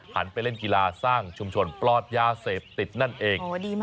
ไปเล่นกีฬาสร้างชุมชนปลอดยาเสพติดนั่นเอง